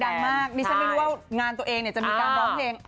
ดังมากดิฉันไม่รู้ว่างานตัวเองเนี่ยจะมีการร้องเพลง